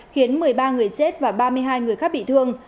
khiến một mươi ba người chết và ba mươi hai người khác bị thương